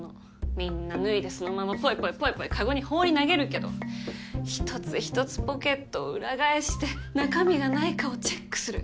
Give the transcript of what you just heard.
みんな脱いでそのままぽいぽいぽいぽいかごに放り投げるけど一つ一つポケットを裏返して中身がないかをチェックする。